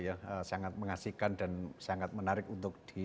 memang sangat mengasihkan dan sangat menarik untuk diperkenalkan